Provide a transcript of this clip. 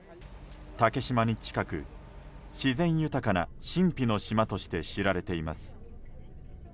竹島に近く、自然豊かな神秘の島として知られています。